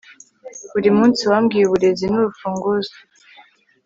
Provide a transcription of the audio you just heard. buri munsi wambwiye, uburezi nurufunguzo